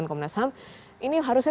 perusahaan milli rusik